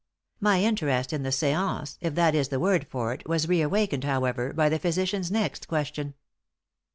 My interest in the séance if that is the word for it was reawakened, however, by the physician's next question.